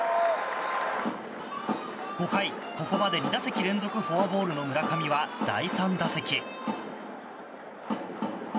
５回ここまで２打席連続フォアボールの村上は第３打席。